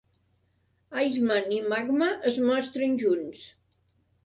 Iceman i Magma es mostren junts.